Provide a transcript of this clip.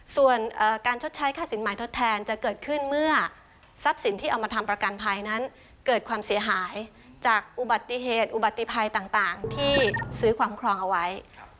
ส่วนการชดใช้ค่าสินหมายทดแทนจะเกิดขึ้นเมื่อทรัพย์สินที่เอามาทำประกันภัยนั้นเกิดความเสียหายจากอุบัติเหตุอุบัติภัยต่างที่ซื้อความครองเอาไว้